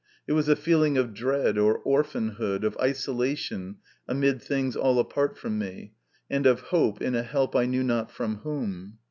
It was a feeling of dread, or orphanhood, of isolation amid things all apart from me, and of hope in a help I knew not from whom.